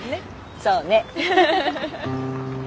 そうね。